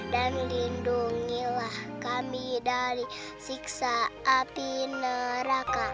dan lindungilah kami dari siksa api neraka